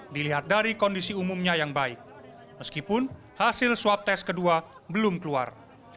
dilihat dari kondisi umumnya yang baik meskipun hasil swab tes kedua belum keluar